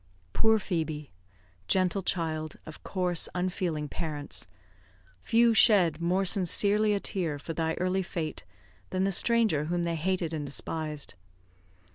Poor Phoebe! Gentle child, of coarse, unfeeling parents, few shed more sincerely a tear for thy early fate than the stranger whom they hated and despised.